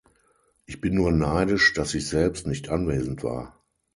Ich bin nur neidisch, dass ich selbst nicht anwesend war.